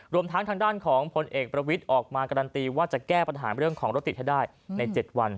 รวมทั้งทางด้านของผลเอกประวิทย์ออกมาการันตีว่าจะแก้ปัญหาเรื่องของรถติดให้ได้ใน๗วัน